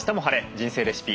人生レシピ」